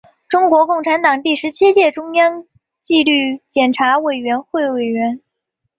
中国共产党第十七届中央纪律检查委员会委员。